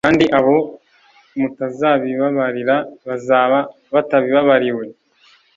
kandi abo mutazabibabarira bazaba batabibabariwe.